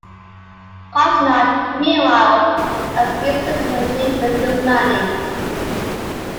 Osnard, meanwhile, escapes the country with the money.